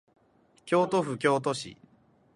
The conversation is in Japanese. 京都府京都市